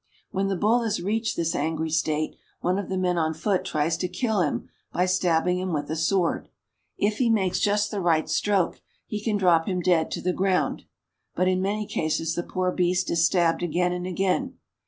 When the bull has reached this angry state, one of the men on foot tries to kill him by stabbing him with a sword. If he makes just the right stroke, he can drop him dead to the ground; but in many cases the poor beast is stabbed again and again.